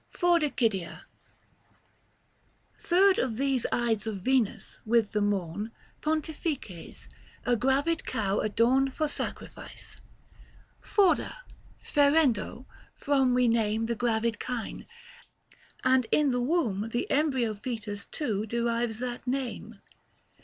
XVII. KAL. MAI. FORDICIDIA. Third of these Ides of Venus, with the morn, 720 Pontifices ! a gravid cow adorn For sacrifice. Forda, " ferendo " from We name the gravid kine, and in the womb The embryo foetus too derives that name.